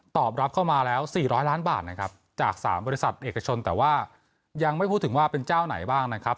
ตอบรับเข้ามาแล้ว๔๐๐ล้านบาทนะครับจาก๓บริษัทเอกชนแต่ว่ายังไม่พูดถึงว่าเป็นเจ้าไหนบ้างนะครับ